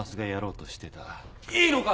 いいのか！？